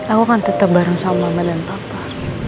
aku kan tetep bareng sama mama dan papa